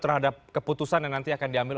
terhadap keputusan yang nanti akan diambil